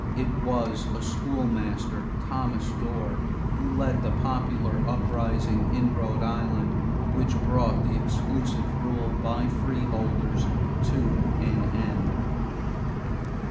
It was a schoolmaster, Thomas Dorr, who led the popular uprising in Rhode Island which brought the exclusive rule by freeholders to an end.